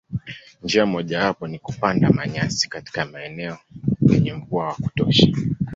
Njia mojawapo ni kupanda manyasi katika maeneo penye mvua wa kutosha.